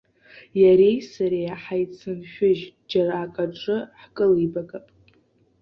Иареи сареи ҳаицыншәыжь, џьара акаҿы ҳкылибагап!